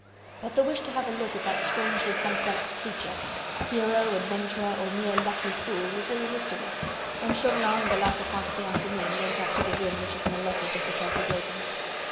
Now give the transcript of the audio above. But the wish to have a look at that strangely complex creature hero, adventurer or mere lucky fool was irresistible, and Chauvelin in the latter part of the afternoon went up to the room which had been allotted to Sir Percy Blakeney.